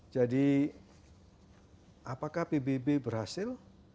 jadi apakah pbb berhasil